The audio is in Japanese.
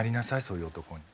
そういう男に。